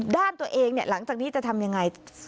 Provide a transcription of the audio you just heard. ด้านตัวเองหลังจากนี้จะทำยังไง